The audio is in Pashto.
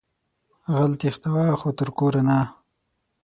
غل تېښتوه خو تر کوره نه